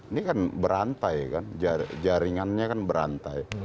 ini kan berantai kan jaringannya kan berantai